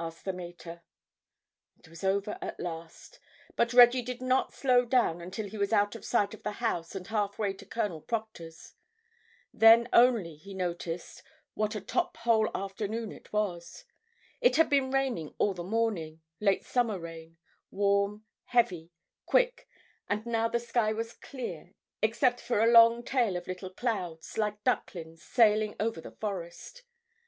asked the mater. It was over at last, but Reggie did not slow down until he was out of sight of the house and half way to Colonel Proctor's. Then only he noticed what a top hole afternoon it was. It had been raining all the morning, late summer rain, warm, heavy, quick, and now the sky was clear, except for a long tail of little clouds, like ducklings, sailing over the forest.